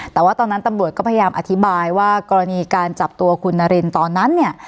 แต่ว่าตอนนั้นตำรวจก็พยายามอธิบายว่ากรณีการจับตัวคุณนารินตอนนั้นเนี่ย